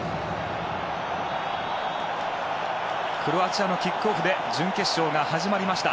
クロアチアのキックオフで準決勝が始まりました。